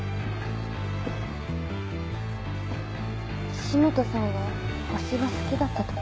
石本さんは星が好きだったとか？